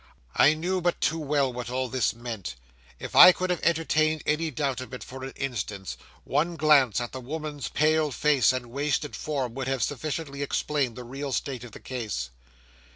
'I knew but too well what all this meant. If I could have entertained any doubt of it, for an instant, one glance at the woman's pale face and wasted form would have sufficiently explained the real state of the case.